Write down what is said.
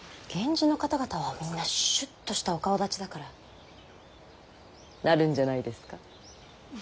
源氏の方々はみんなシュッとしたお顔だちだからなるんじゃないですか。